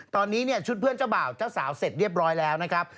ตอนนี้เนี่ยชุดเพื่อนเจ้าบ่าวเจ้าสาวเสร็จเรียบร้อยแล้วนะครับ